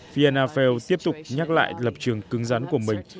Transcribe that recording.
fianna fair tiếp tục nhắc lại lập trường cứng rắn của mình